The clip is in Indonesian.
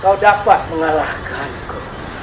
kau dapat mengalahkanku